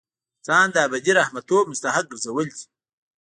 ځان د ابدي رحمتونو مستحق ګرځول دي.